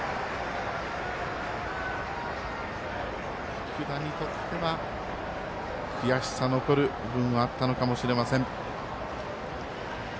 福田にとっては悔しさ残る部分もあったのかもしれません。